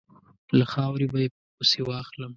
له خاورې به یې پسي واخلم.